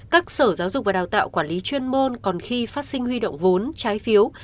các sở giáo dục và đào tạo quản lý chuyên môn còn khi phát sinh huy động vốn trái phiếu